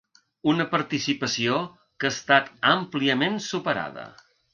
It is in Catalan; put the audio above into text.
Una participació que ha estat àmpliament superada.